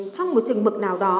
trong một trường mực nào đó